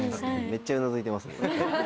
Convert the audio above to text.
めっちゃうなずいてますね。